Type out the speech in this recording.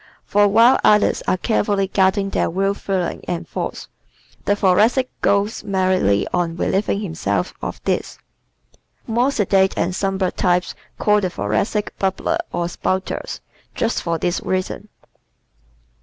For while others are carefully guarding their real feelings and thoughts the Thoracic goes merrily on relieving himself of his. More sedate and somber types call the Thoracics "bubblers" or "spouters" just for this reason.